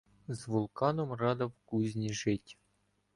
З Вулканом рада в кузні жить.